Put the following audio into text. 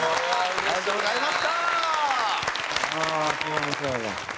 ありがとうございます」。